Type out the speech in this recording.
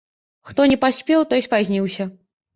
Хто не паспеў, той спазніўся.